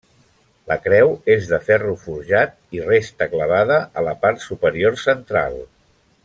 La creu és de ferro forjat i resta clavada a la part superior central.